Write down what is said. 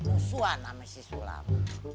usuan sama si sulam